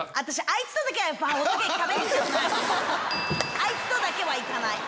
あいつとだけは行かない。